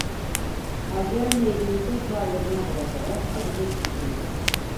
Hacer heybeyi tekrar yanına bırakarak azıcık düşündü.